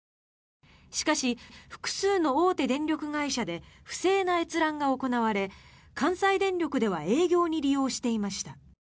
しかし、複数の大手電力会社で不正な閲覧が行われ関西電力では営業に利用していました。